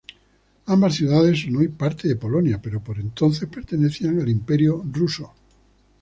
Ambas ciudades son hoy parte de Polonia pero por entonces pertenecían al Imperio ruso.